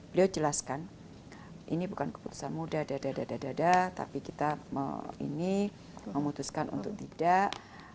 beliau jelaskan ini bukan keputusanmu dadadadada tapi kita memutuskan untuk tidak